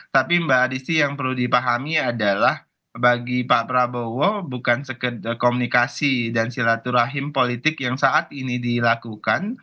tapi mbak adisti yang perlu dipahami adalah bagi pak prabowo bukan komunikasi dan silaturahim politik yang saat ini dilakukan